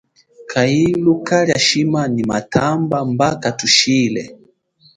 Kahilu kalia shima nyi matamba mba kakutshile.